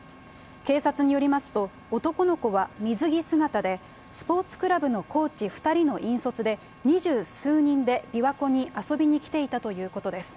警察によりますと、男の子は水着姿で、スポーツクラブのコーチ２人の引率で、二十数人で琵琶湖に遊びに来ていたということです。